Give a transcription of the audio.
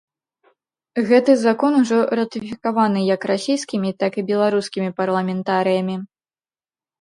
Гэты закон ужо ратыфікаваны як расійскімі, так і беларускімі парламентарыямі.